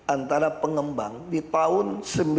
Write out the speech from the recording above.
antara pengembang di tahun sembilan puluh tujuh